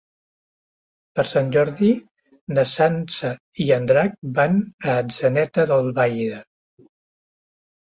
Per Sant Jordi na Sança i en Drac van a Atzeneta d'Albaida.